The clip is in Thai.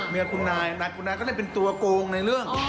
เมียคุณนายก็ได้เป็นตัวกงในเรื่อง